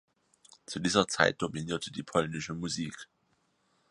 Zu dieser Zeit dominierte die polnische Musik.